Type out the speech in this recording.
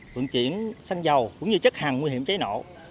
vận chuyển xăng dầu cũng như chất hàng nguy hiểm cháy nổ